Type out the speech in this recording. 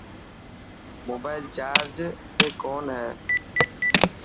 موبائل چارج تي ڪون هي.